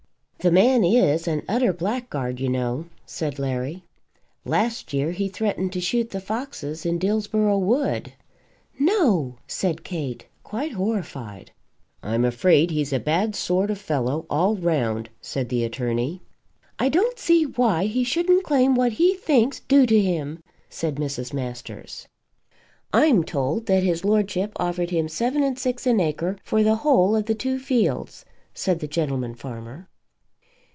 "The man is an utter blackguard, you know," said Larry. "Last year he threatened to shoot the foxes in Dillsborough Wood." "No!" said Kate, quite horrified. "I'm afraid he's a bad sort of fellow all round," said the attorney. "I don't see why he shouldn't claim what he thinks due to him," said Mrs. Masters. "I'm told that his lordship offered him seven and six an acre for the whole of the two fields," said the gentleman farmer.